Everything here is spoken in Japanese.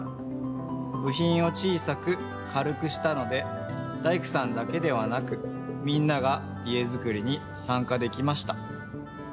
ぶひんを小さくかるくしたので大工さんだけではなくみんなが家づくりにさんかできました。